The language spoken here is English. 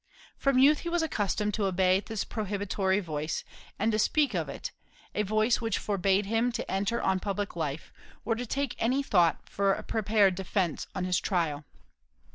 From youth he was accustomed to obey this prohibitory voice, and to speak of it, a voice "which forbade him to enter on public life," or to take any thought for a prepared defence on his trial.